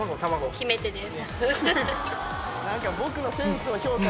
決め手です。